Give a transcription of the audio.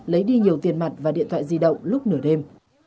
lấy đi nhiều tiền mặt và điện thoại di động lúc nửa đêm